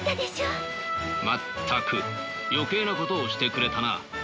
全く余計なことをしてくれたな。